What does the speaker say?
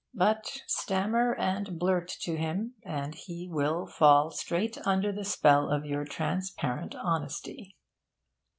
But stammer and blurt to him, and he will fall straight under the spell of your transparent honesty.